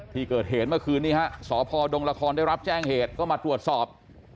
ที่เกิดเหตุเมื่อคืนนี้ฮะสพดงละครได้รับแจ้งเหตุก็มาตรวจสอบ